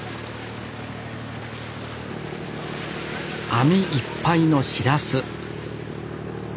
網いっぱいのシラス